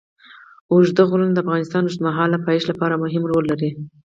اوږده غرونه د افغانستان د اوږدمهاله پایښت لپاره مهم رول لري.